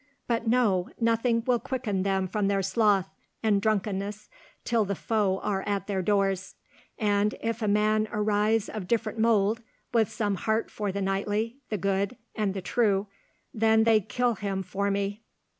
But no, nothing will quicken them from their sloth and drunkenness till the foe are at their doors; and, if a man arise of different mould, with some heart for the knightly, the good, and the true, then they kill him for me!